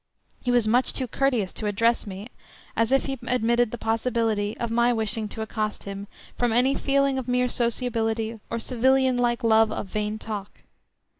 He was much too courteous to address me as if he admitted the possibility of my wishing to accost him from any feeling of mere sociability or civilian like love of vain talk.